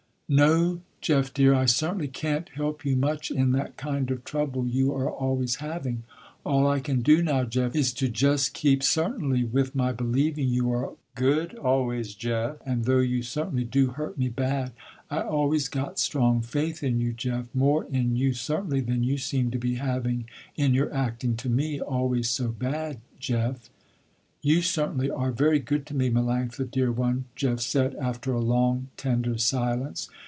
"No, Jeff, dear, I certainly can't help you much in that kind of trouble you are always having. All I can do now, Jeff, is to just keep certainly with my believing you are good always, Jeff, and though you certainly do hurt me bad, I always got strong faith in you, Jeff, more in you certainly, than you seem to be having in your acting to me, always so bad, Jeff." "You certainly are very good to me, Melanctha, dear one," Jeff said, after a long, tender silence.